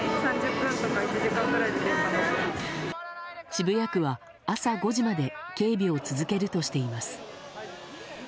渋谷区は、朝５時まで警備を続けるとしています。